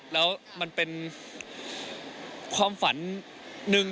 แล้วมันเป็นความฝันหนึ่ง